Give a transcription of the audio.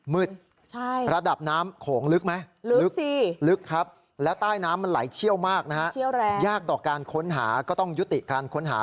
ระดับน้ำโขงลึกไหมลึกสิลึกครับแล้วใต้น้ำมันไหลเชี่ยวมากนะฮะยากต่อการค้นหาก็ต้องยุติการค้นหา